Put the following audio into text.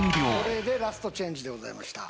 これでラストチェンジでございました。